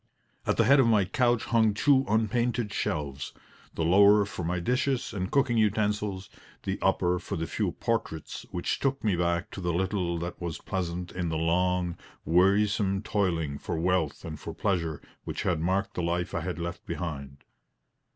At the head of my couch hung two unpainted shelves the lower for my dishes and cooking utensils, the upper for the few portraits which took me back to the little that was pleasant in the long, wearisome toiling for wealth and for pleasure which had marked the life I had left behind.